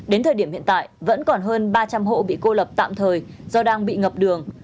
đến thời điểm hiện tại vẫn còn hơn ba trăm linh hộ bị cô lập tạm thời do đang bị ngập đường